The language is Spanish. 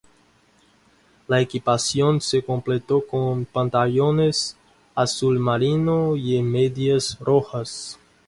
La equipación se completó con pantalones azul marino y medias rojas.